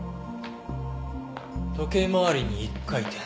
時計回りに１回転。